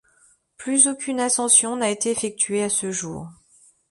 Plus aucune ascension n'a été effectuée à ce jour.